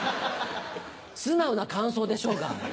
素直な感想でしょうが。